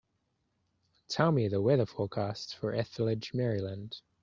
Tell me the weather forecast for Ethridge, Maryland